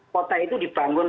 kota itu dibangun